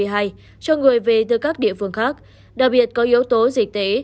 cho người về từ các địa phương khác đặc biệt có yếu tố dịch tế